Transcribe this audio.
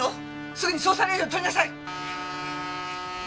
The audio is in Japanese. すぐに捜査令状取りなさい！